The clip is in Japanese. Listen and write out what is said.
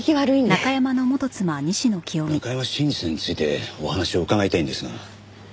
中山信二さんについてお話を伺いたいんですが。